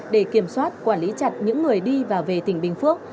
để kiểm soát quản lý chặt những người đi và về tỉnh bình phước